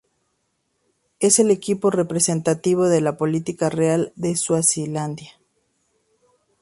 Es el equipo representativo de la Policía Real de Suazilandia.